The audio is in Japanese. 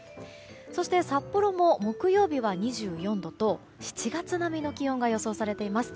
そして、札幌も木曜日は２４度と７月並みの気温が予想されています。